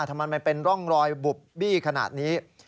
ทำไมมันเป็นร่องรอยบุบบี้ขนาดนี้